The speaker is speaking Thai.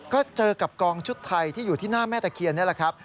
ก็เจอกับกองชุดไทยที่อยู่ที่หน้าแม่ตะเคียนนี่แหละครับ